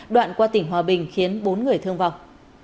đoạn qua tỉnh hòa bình khiến bốn người thương vọng